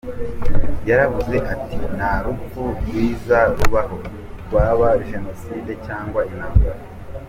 Yaravuze ati: “Nta rupfu rwiza rubaho, rwaba Jenoside cyangwa intambara.